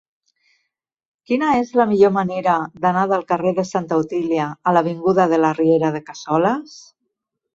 Quina és la millor manera d'anar del carrer de Santa Otília a l'avinguda de la Riera de Cassoles?